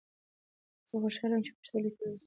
زه خوشحاله یم چې پښتو لیکل او لوستل مې زده کړل.